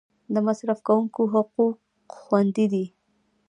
د مصرف کونکو حقوق خوندي دي؟